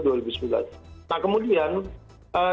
nah kemudian di hotline nya